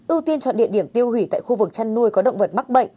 ưu tiên chọn địa điểm tiêu hủy tại khu vực chăn nuôi có động vật mắc bệnh